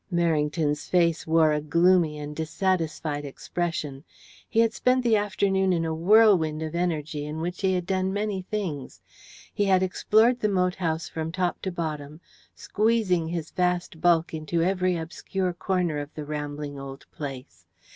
Merrington's face wore a gloomy and dissatisfied expression. He had spent the afternoon in a whirlwind of energy in which he had done many things. He had explored the moat house from top to bottom, squeezing his vast bulk into every obscure corner of the rambling old place.